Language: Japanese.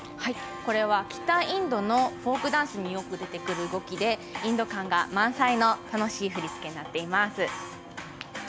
これは北インドのフォークダンスによく出てくる動きでインド感が満載の楽しい振り付けになっています。